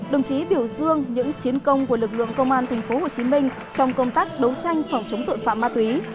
đồng chí biểu dương những chiến công của lực lượng công an tp hcm trong công tác đấu tranh phòng chống tội phạm ma túy